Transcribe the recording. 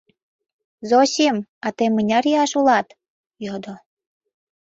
— Зосим, а тый мыняр ияш улат? — йодо.